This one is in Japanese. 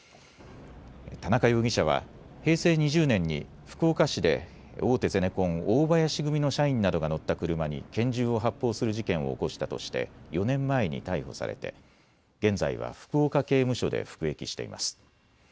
田中容疑者は平成２０年に福岡市で大手ゼネコン、大林組の社員などが乗った車に拳銃を発砲する事件を起こしたとして４年前に逮捕されて現在は福岡刑務所で服役しています。